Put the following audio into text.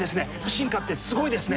進化ってすごいですね！